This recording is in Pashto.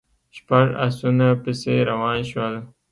شپږ آسونه پسې روان شول.